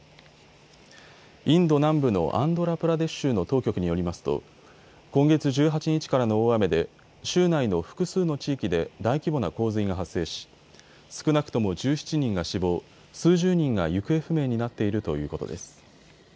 インド南部のアンドラプラデシュ州の当局によりますと今月１８日からの大雨で州内の複数の地域で大規模な洪水が発生し少なくとも１７人が死亡、数十人が行方不明になっているということです。